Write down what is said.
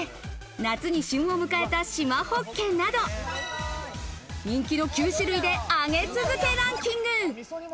夏に旬を迎えたしまほっけなど、人気の９種類で上げ続けランキング！